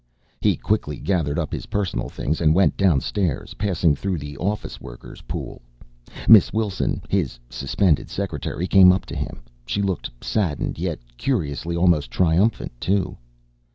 He quickly gathered up his personal things and went downstairs, passing through the office workers pool. Miss Wilson, his Suspended secretary, came up to him. She looked saddened yet, curiously, almost triumphant too.